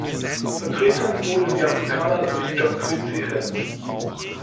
Vertreten wurden die Afrikaner durch John Quincy Adams.